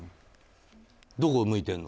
どこ向いてるの？